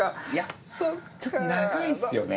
ちょっと長いですよね。